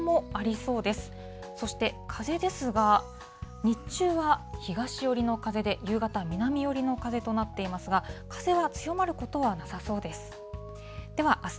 そして風ですが、日中は東寄りの風で夕方は南寄りの風となっていますが、風は強まることはなさそうです。